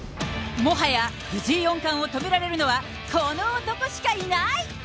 もはや、藤井四冠を止められるのは、この男しかいない。